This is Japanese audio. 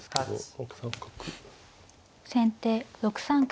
先手６三角。